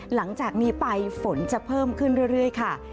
หลังจากนี้ไปฝนจะเพิ่มขึ้นเรื่อยค่ะ